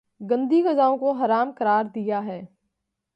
گندی غذاؤں کو حرام قراردیا ہے